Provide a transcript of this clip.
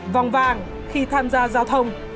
vòng vàng khi tham gia giao thông